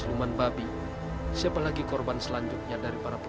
yang zamankah eqyeli telah berubah menjadi bahan yang saya soyakan